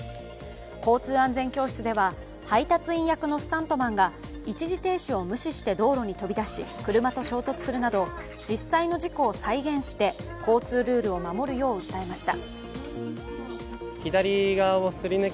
交通安全教室では配達員役のスタントマンが一時停止を無視して道路に飛び出し、車と衝突するなど実際の事故を再現して交通ルールを守るよう訴えました。